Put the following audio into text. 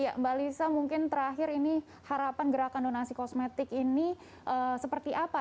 ya mbak lisa mungkin terakhir ini harapan gerakan donasi kosmetik ini seperti apa